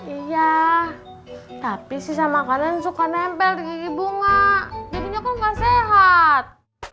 iya tapi sisa makanan suka nempel di bunga jadi nggak sehat